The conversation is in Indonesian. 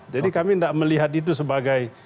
jadi kami enggak melihat itu sebagai